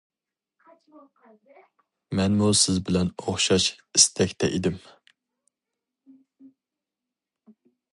مەنمۇ سىز بىلەن ئوخشاش ئىستەكتە ئىدىم.